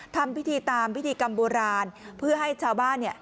ทำพิธีตามพิธีกรรมโบราณเพื่อให้ชาวบ้านเนี่ย